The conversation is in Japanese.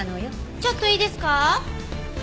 ちょっといいですか？